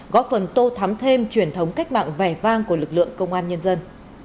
góp phần tô thắm thêm truyền thống cách mạng vẻ vang của lực lượng công an nhân dân